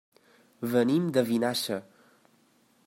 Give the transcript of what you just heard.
Venim de Vinaixa.